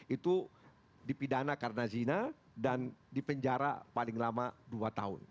itu dipidana karena zina dan dipenjara paling lama dua tahun